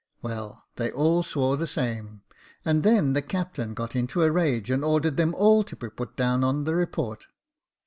" Well, they all swore the same, and then the captain got into a rage, and ordered them all to be put down on the report.